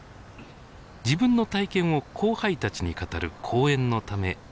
自分の体験を後輩たちに語る講演のため招かれたのです。